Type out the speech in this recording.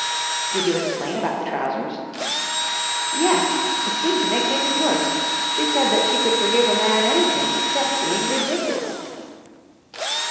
"Did you explain about the trousers?" "Yes. It seemed to make things worse. She said that she could forgive a man anything except being ridiculous."